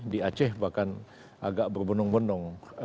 di aceh bahkan agak berbenung benung